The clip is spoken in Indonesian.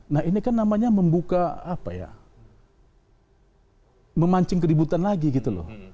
nah ini kan namanya membuka apa ya memancing keributan lagi gitu loh